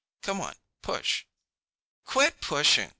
Come on, push." "QUIT PUSHING!